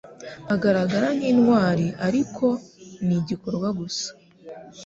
Agaragara nkintwari, ariko nigikorwa gusa.